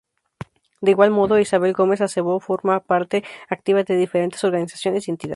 De igual modo, Isabel Gómez Acebo forma parte activa de diferentes organizaciones y entidades.